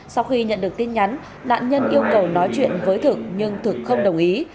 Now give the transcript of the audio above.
sau khi nhận được tin nhắn nạn nhân yêu cầu nói chuyện với thực nhưng thực không đồng ý